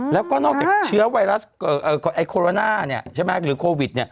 แล้วก็นอกจากเชื้อไวรัสไอโคโรนาใช่ไหมหรือโควิด